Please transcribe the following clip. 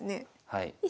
はい。